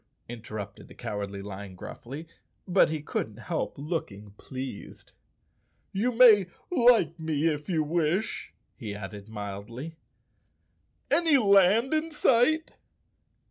interrupted the Cowardly Lion gruffly, but he couldn't help looking pleased. "You may like me if you wish," he added mildly. "Any land in sight?"